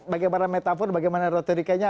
bagaimana metafor bagaimana retorikanya